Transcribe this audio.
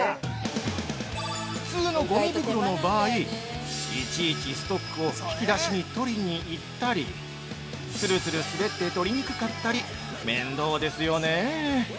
◆普通のごみ袋の場合いちいち、ストックを引き出しに取りに行ったり、つるつる滑って取りにくかったり面倒ですよね。